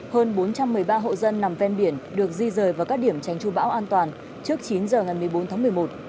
hơn bốn trăm một mươi ba hộ dân nằm ven biển được di rời vào các điểm tranh tru bão an toàn trước chín giờ ngày một mươi bốn tháng một mươi một